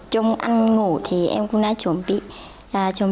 trong ăn ngủ thì em có thể tìm hiểu về văn hóa của đồng bào dân tộc mông